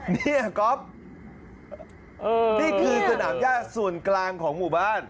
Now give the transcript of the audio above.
เนี่ยก๊อฟนี่คือสนามย่าส่วนกลางของหมู่บ้าน